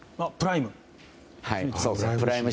プライム。